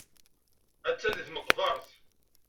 Attan deg tmeqbert.